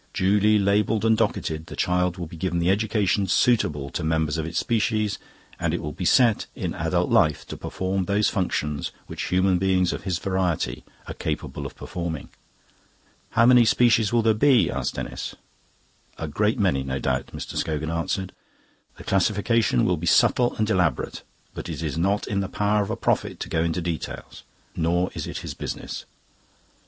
Duly labelled and docketed, the child will be given the education suitable to members of its species, and will be set, in adult life, to perform those functions which human beings of his variety are capable of performing." "How many species will there be?" asked Denis. "A great many, no doubt," Mr. Scogan answered; "the classification will be subtle and elaborate. But it is not in the power of a prophet to go into details, nor is it his business.